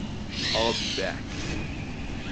I'll be back.